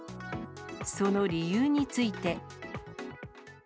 その理由について。